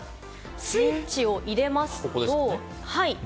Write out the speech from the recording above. こちらスイッチを入れますと。